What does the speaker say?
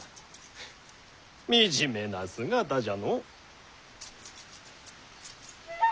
フ惨めな姿じゃのう。